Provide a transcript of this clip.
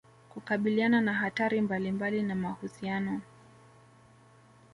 Kukabiliana na hatari mbalimbali na mahusiano